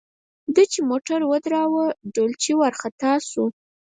ده چې موټر ودراوه ډولچي ورخطا شو.